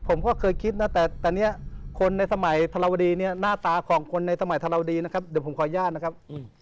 ผมก็เคยคิดนะแต่ตอนนี้คนในสมัยธรวดีเนี่ยหน้าตาของคนในสมัยธรวดีนะครับเดี๋ยวผมขออนุญาตนะครับ